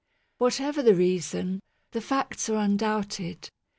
Whatever the reason, the facts are undoubted.